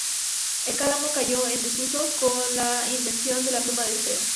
El cálamo cayó en desuso con la invención de la pluma de acero.